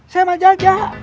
saya mang jajah